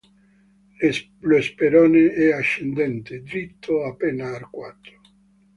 Lo sperone è ascendente, dritto o appena arcuato.